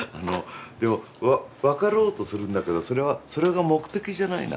でも分かろうとするんだけどそれはそれが目的じゃないなっていう気はする。